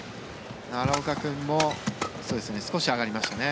奈良岡君も少し上がりましたね。